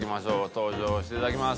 登場していただきます。